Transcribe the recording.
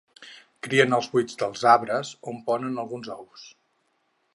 Crien en buits dels arbres on ponen alguns ous.